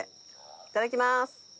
いただきます。